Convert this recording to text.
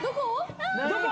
どこ？